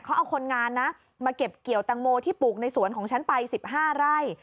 เขาเอาคนงานนะมาเก็บเกี่ยวตังโมที่ปลูกในสวนของฉันไป๑๕ไร่